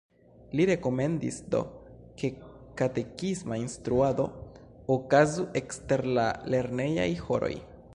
Li rekomendis, do, ke katekisma instruado okazu ekster la lernejaj horoj.